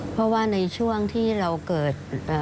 เพราะว่าในช่วงที่เราเกิด